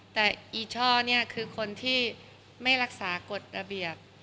แต่อีช่อนี่คือคนที่ไม่รักษากฎระเบียบ